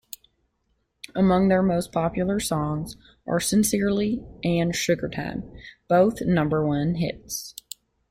Among their most popular songs are "Sincerely" and "Sugartime", both number one hits.